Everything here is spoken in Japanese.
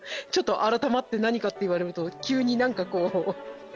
ちょっとあらたまって何かって言われると急に何かこう。